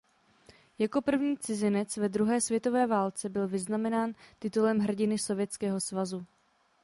Jako první cizinec ve druhé světové válce byl vyznamenán titulem hrdiny Sovětského svazu.